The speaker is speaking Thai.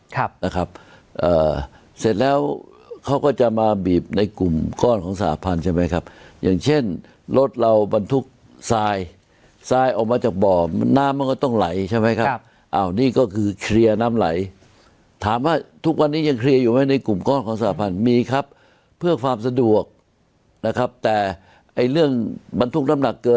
ครับนะครับเอ่อเสร็จแล้วเขาก็จะมาบีบในกลุ่มก้อนของสหพันธุ์ใช่ไหมครับอย่างเช่นรถเราบรรทุกทรายทรายออกมาจากบ่อน้ำมันก็ต้องไหลใช่ไหมครับอ้าวนี่ก็คือเคลียร์น้ำไหลถามว่าทุกวันนี้ยังเคลียร์อยู่ไหมในกลุ่มก้อนของสหพันธ์มีครับเพื่อความสะดวกนะครับแต่ไอ้เรื่องบรรทุกน้ำหนักเกิน